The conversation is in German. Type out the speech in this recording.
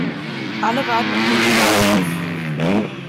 Alle warten auf den Startschuss.